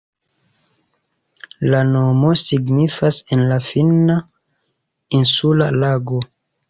La nomo signifas en la finna "insula lago".